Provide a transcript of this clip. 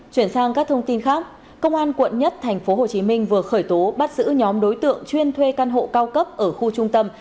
chuyển sang các thông tin khác công an quận một tp hcm vừa khởi tố bắt giữ nhóm đối tượng chuyên thuê căn hộ cao cấp ở khu trung tâm